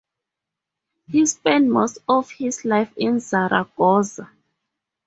He spent most of his life in Zaragoza.